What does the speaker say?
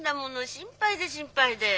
心配で心配で。